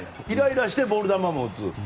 イライラしてボール球も打つ。